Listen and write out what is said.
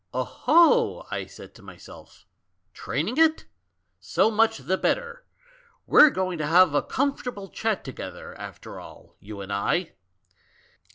'Oho,' I said to myself, 'training it? So much the better! We're going to have a com fortable chat together, after all, you and I